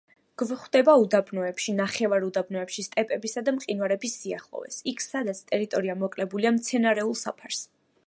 გვხვდება უდაბნოებში, ნახევარუდაბნოებში, სტეპებში და მყინვარების სიახლოვეს, იქ სადაც ტერიტორია მოკლებულია მცენარეულ საფარს.